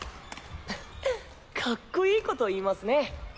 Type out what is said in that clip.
フフッかっこいいこと言いますね。